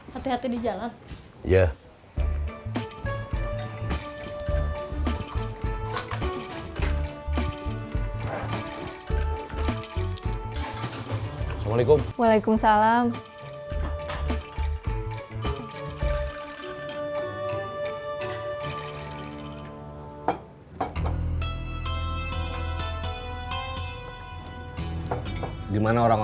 hati hati di jalan